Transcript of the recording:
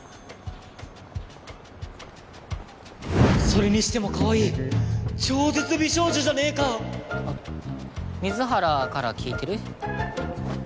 それにしても可愛い超絶美少女じゃねぇか水原から聞いてる？